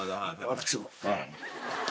私も。